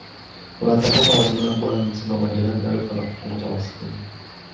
Unatambua kuwa mazingira bora ni msingi wa maendeleo endelevu na kupunguza umaskini